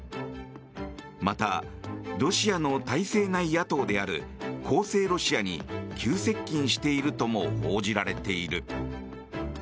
また、ロシアの体制内野党である公正ロシアに急接近しているとも報じられている。